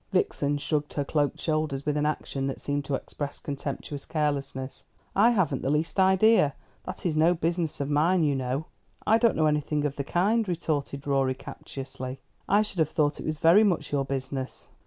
Vixen shrugged her cloaked shoulders with an action that seemed to express contemptuous carelessness. "I haven't the least idea. That is no business of mine, you know." "I don't know anything of the kind," retorted Rorie captiously. "I should have thought it was very much your business."